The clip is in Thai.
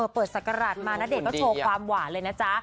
เปิดสัตว์กระดาษมาณเดชน์ก็โชว์ความหวานเลยนะจ๊ะ